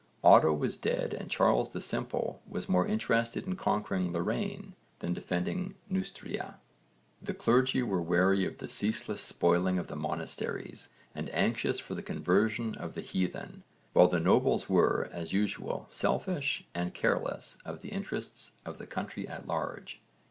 Odo was dead and Charles the Simple was more interested in conquering Lorraine than defending Neustria. The clergy were weary of the ceaseless spoiling of the monasteries and anxious for the conversion of the heathen, while the nobles were, as usual, selfish and careless of the interests of the country at large.